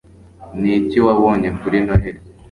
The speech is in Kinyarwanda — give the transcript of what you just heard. ni iki wabonye kuri noheri